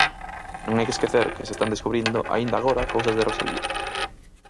Non hai que esquecer que se están descubrindo aínda agora cousas de Rosalía.